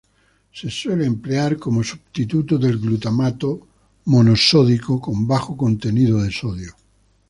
Se suele emplear como substituto del glutamato monosódico con bajo contenido de sodio.